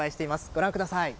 ご覧ください。